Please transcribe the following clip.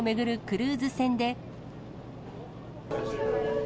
クルーズ船で。